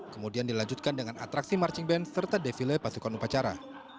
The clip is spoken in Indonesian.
kemudian dilanjutkan dengan atraksi marching band serta defile pasukan upacara